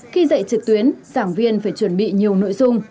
khi dạy trực tuyến giảng viên phải chuẩn bị nhiều nội dung